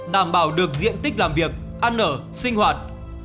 đảm bảo được diện tích làm việc ăn ở sinh hoạt